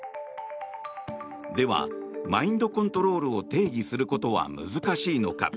では、マインドコントロールを定義することは難しいのか。